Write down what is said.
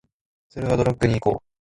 ツルハドラッグに行こう